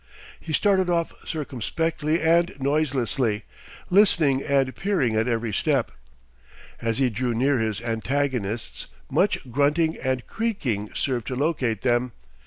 He started off circumspectly and noiselessly, listening and peering at every step. As he drew near his antagonists, much grunting and creaking served to locate them.